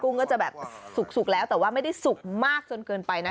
ก็จะแบบสุกแล้วแต่ว่าไม่ได้สุกมากจนเกินไปนะ